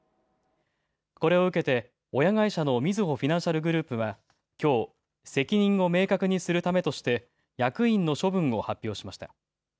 これを受けて親会社のみずほフィナンシャルグループはきょう責任を明確にするためとして役員の処分を発表しました。